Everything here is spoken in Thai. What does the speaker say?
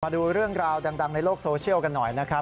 มาดูเรื่องราวดังในโลกโซเชียลกันหน่อยนะครับ